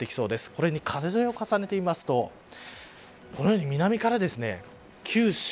これに風を重ねてみますとこのように南から九州